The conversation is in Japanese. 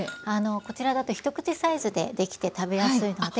こちらだと一口サイズでできて食べやすいので。